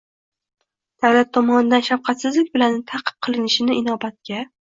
davlat tomonidan shavfqatsizlik bilan ta’qib qilinishini inobatga